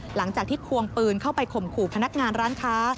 หลังจากที่ควงปืนเข้าไปข่มขู่พนักงานร้านค้า